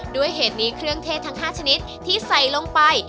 เหตุนี้เครื่องเทศทั้ง๕ชนิดที่ใส่ลงไป